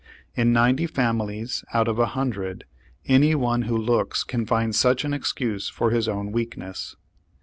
In ninety families out of a hundred any one who looks can find such an excuse for his own weakness.